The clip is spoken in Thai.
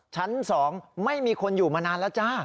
ชั้น๒ไม่มีคนอยู่มานานแล้วจ้า